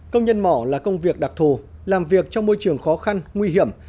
công nhân mỏ là công việc đặc thù làm việc trong môi trường khó khăn nguy hiểm